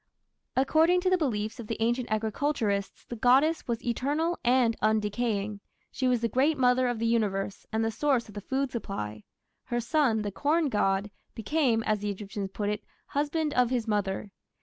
According to the beliefs of the ancient agriculturists the goddess was eternal and undecaying. She was the Great Mother of the Universe and the source of the food supply. Her son, the corn god, became, as the Egyptians put it, "Husband of his Mother".